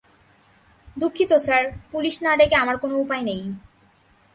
দুঃখিত, sir, police না ডেকে আমার কোনো উপায় নেই।